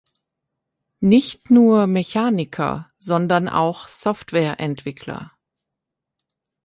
Nicht nur Mechaniker, sondern auch Softwareentwickler.